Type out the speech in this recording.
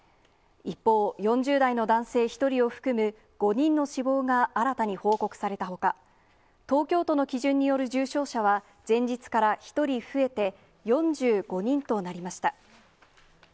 一方、４０代の男性１人を含む５人の死亡が新たに報告されたほか、東京都の基準による重症者は、前日から１人増えて、４５人となりました。